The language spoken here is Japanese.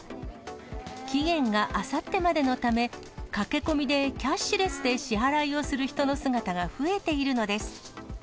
期限があさってまでのため、駆け込みでキャッシュレスで支払いをする人の姿が増えているのです。